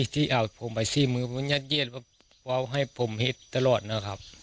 ที่เอาผมไปซี่มือผมอยากเย็นว่าว้าวให้ผมเห็นตลอดนะครับ